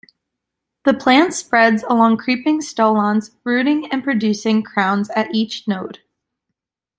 The plant spreads along creeping stolons, rooting and producing crowns at each node.